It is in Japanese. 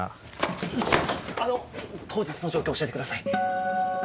ちょあの当日の状況を教えてください。